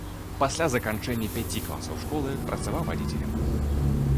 Пасля заканчэння пяці класаў школы працаваў вадзіцелем.